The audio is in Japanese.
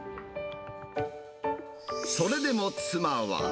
それでも妻は。